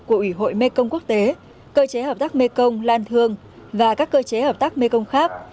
của ủy hội mê công quốc tế cơ chế hợp tác mê công lan thương và các cơ chế hợp tác mê công khác